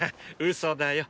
嘘だよっ！